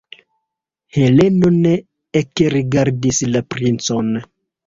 Heleno ne ekrigardis la princon.